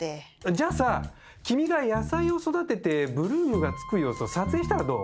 じゃあさ君が野菜を育ててブルームが付く様子を撮影したらどう？